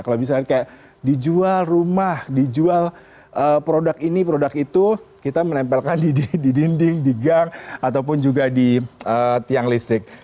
kalau misalnya kayak dijual rumah dijual produk ini produk itu kita menempelkan di dinding di gang ataupun juga di tiang listrik